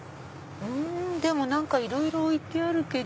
何かいろいろ置いてあるけど。